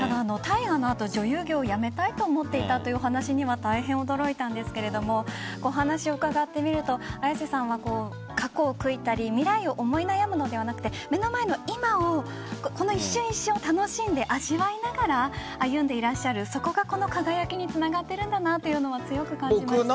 大河の後女優業を辞めたいと思っていたというお話には大変驚いたんですがお話を伺ってみると綾瀬さんは過去を悔いたり未来を思い悩むのではなく目の前の今をこの一瞬一瞬を楽しんで味わいながら歩んでいらっしゃるそこがこの輝きにつながっているんだなというのを強く感じました。